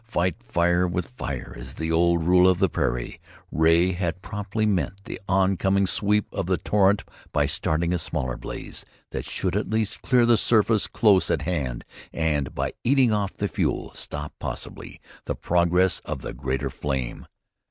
"Fight fire with fire" is the old rule of the prairie. Ray had promptly met the on coming sweep of the torrent by starting a smaller blaze that should at least clear the surface close at hand, and, by eating off the fuel, stop, possibly, the progress of the greater flame.